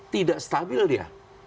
tidak stabil dia